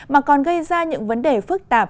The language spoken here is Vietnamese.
mà còn gây ra những vấn đề phức tạp